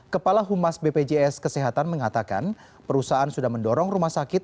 kepala humas bpjs kesehatan mengatakan perusahaan sudah mendorong rumah sakit